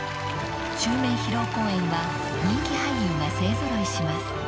［襲名披露公演は人気俳優が勢揃いします］